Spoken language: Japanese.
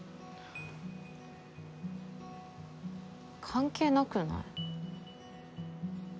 関係なくない？